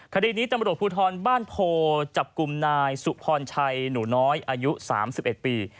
คดีนี้ตำรวจภูทรบ้านโพจับกลุ่มนายสุพรชัยหนูน้อยอายุ๓๑ปี